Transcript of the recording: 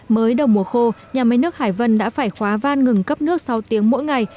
mới đầu mùa khô nhà máy nước hải vân đã phải khóa van ngừng cấp nước sáu tiếng mỗi ngày